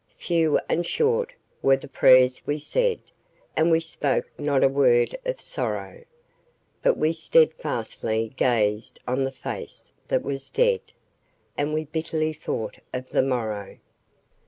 Few and short were the prayers we said, And we spoke not a word of sorrow; But we steadfastly gazed on the face that was dead, And we bitterly thought of the morrow.